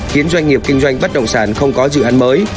khiến doanh nghiệp kinh doanh bất động sản không có dự án mới